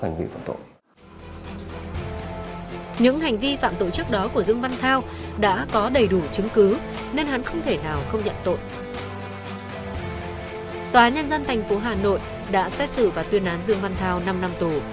hà nội đã xét xử và tuyên án dương văn thảo năm năm tù